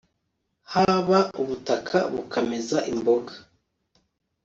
hb ubutaka bukameza imboga